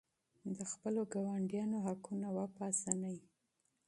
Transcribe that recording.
د خپلو ګاونډیانو حقونه وپېژنئ.